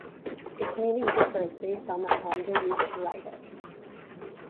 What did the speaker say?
Its meaning differs based on the hanja used to write it.